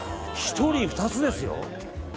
１人２つですよ。